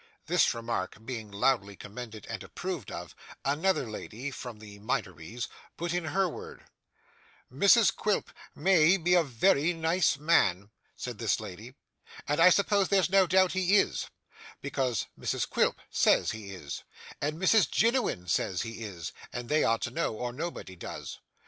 This remark being loudly commended and approved of, another lady (from the Minories) put in her word: 'Mr Quilp may be a very nice man,' said this lady, 'and I supposed there's no doubt he is, because Mrs Quilp says he is, and Mrs Jiniwin says he is, and they ought to know, or nobody does.